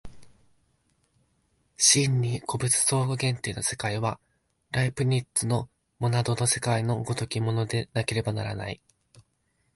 真に個物相互限定の世界は、ライプニッツのモナドの世界の如きものでなければならない。